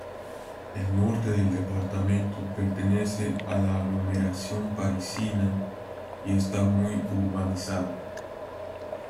El norte del departamento pertenece a la aglomeración parisina y está muy urbanizado.